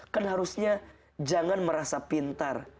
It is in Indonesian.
kan harusnya jangan merasa pintar